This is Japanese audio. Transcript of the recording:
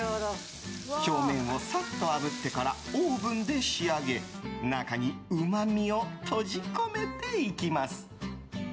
表面をさっとあぶってからオーブンで仕上げ中に、うまみを閉じ込めていきます。